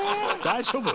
大丈夫？